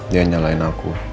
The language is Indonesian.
dia nyalahin aku